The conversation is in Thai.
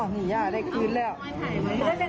ได้เป็นเจ้าของคืนแล้วดีใจด้วยดีใจด้วย